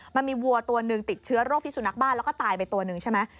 มันมีวัวตัวหนึ่งติดเชื้อโรคพิสุนักบ้านแล้วก็ตายไปตัวหนึ่งใช่ไหม